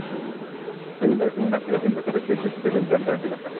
পিরলো AC Milan ছেড়ে তিন বছরের ফ্রি চুক্তিতে যোগ দেন জুভেন্টাসে।